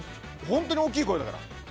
本当に大きい声だから。